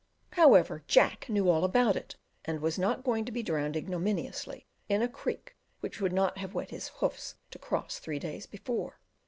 However, Jack, knew all about it, and was not going to be drowned ignominiously in a creek which would not have wet his hoofs to cross three days before.